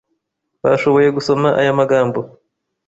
Bashoboye gusoma aya magambo?